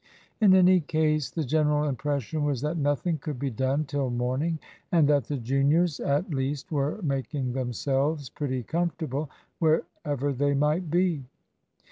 In any case the general impression was that nothing could be done till morning, and that the juniors at least were making themselves pretty comfortable, wherever they might be.